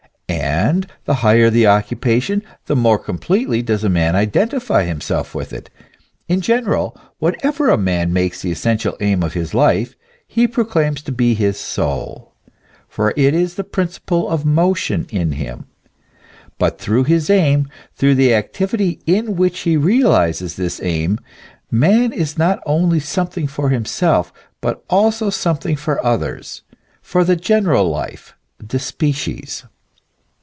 And the higher the occupation, the more com pletely does a man identify himself with it. In general, what ever a man makes the essential aim of his life, he proclaims to be his soul ; for it is the principle of motion in him. But through his aim, through the activity in which he realizes this aim, man is not only something for himself, but also some thing for others, for the general life, the species.